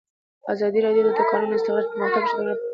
ازادي راډیو د د کانونو استخراج پرمختګ او شاتګ پرتله کړی.